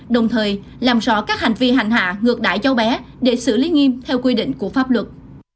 đồng thời làm rõ các hành vi hành hạ ngược đại cháu bé để xử lý nghiêm theo quy định của pháp luật